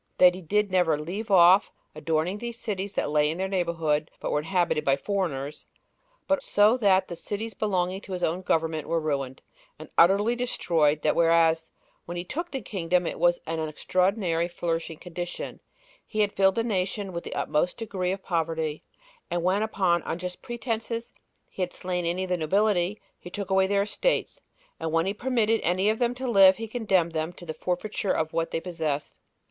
That he did never leave off adorning these cities that lay in their neighborhood, but were inhabited by foreigners; but so that the cities belonging to his own government were ruined, and utterly destroyed that whereas, when he took the kingdom, it was in an extraordinary flourishing condition, he had filled the nation with the utmost degree of poverty; and when, upon unjust pretenses, he had slain any of the nobility, he took away their estates; and when he permitted any of them to live, he condemned them to the forfeiture of what they possessed.